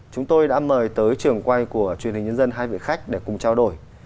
chúng tôi đã mời tới trường quay của truyền hình nhân dân hai vị khách để cùng trao đổi